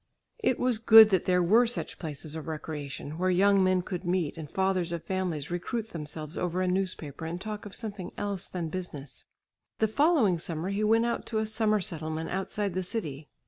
It was good that there were such places of recreation, where young men could meet and fathers of families recruit themselves over a newspaper and talk of something else than business. The following summer he went out to a summer settlement outside the city.